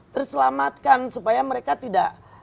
terselamatkan supaya mereka tidak